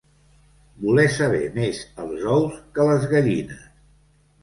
Voler saber més els ous que les gallines.